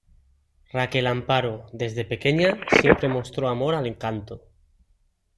Raquel Amparo, desde pequeña, siempre mostró amor al canto.